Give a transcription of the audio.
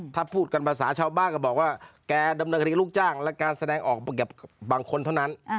ถ้าพูดกันภาษาชาวบ้านก็บอกว่าแกดำเนินคดีลูกจ้างและการแสดงออกกับบางคนเท่านั้น